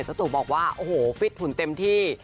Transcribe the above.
ศัตรูบอกว่าโอ้โหฟิตผุนเต็มที่